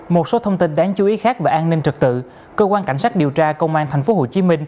một số thông tin đáng chú ý khác về an ninh trật tự cơ quan cảnh sát điều tra công an tp hcm